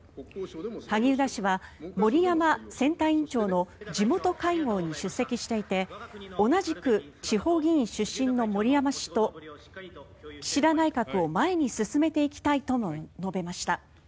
萩生田氏は森山選対委員長の地元会合に出席していて同じく地方議員出身の森山氏と岸田内閣を前に進めていきたいとも述べました。